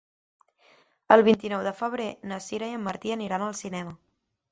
El vint-i-nou de febrer na Sira i en Martí aniran al cinema.